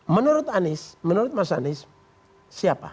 menurut anies menurut mas anies siapa